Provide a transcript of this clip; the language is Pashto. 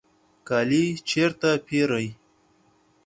کالی چیرته پیرئ؟